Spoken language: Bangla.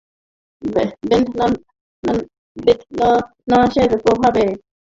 বেদনানাশকের প্রভাবে প্রসূতি প্রসবের সময় কোনো ব্যথা অনুভব করেন না।